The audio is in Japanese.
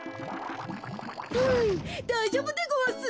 ふうだいじょうぶでごわす。